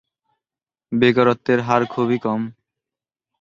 বেকারত্বের হার খুবই কম।